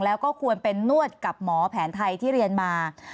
แล้วก็ควรเป็นนวดกับหมอแผนไทยที่เรียนมา